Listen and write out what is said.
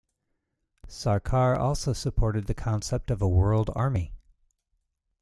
Sarkar also supported the concept of a world army.